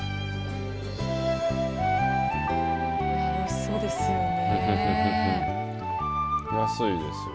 おいしそうですよね。